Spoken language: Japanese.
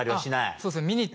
そうですね。